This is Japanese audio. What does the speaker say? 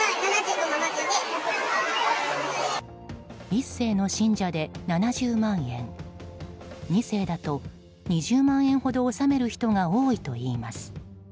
一世の信者で７０万円二世だと２０万円ほど納める人が多いといいます。